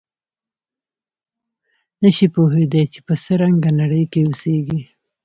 نه شي پوهېدای چې په څه رنګه نړۍ کې اوسېږي.